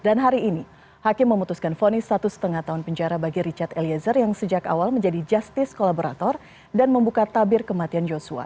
dan hari ini hakim memutuskan fonis satu lima tahun penjara bagi richard eliezer yang sejak awal menjadi justice kolaborator dan membuka tabir kematian yosua